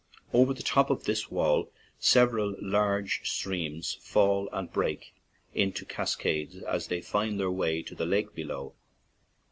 Over the top of this wail several large streams fall and break into cascades as they find their way to the lake below.